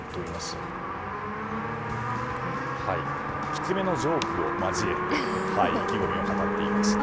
きつめのジョークを交えて意気込みを語っていました。